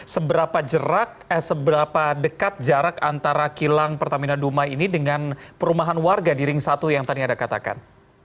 seberapa dekat jarak antara kilang pertamina dumai ini dengan perumahan warga di ring satu yang tadi anda katakan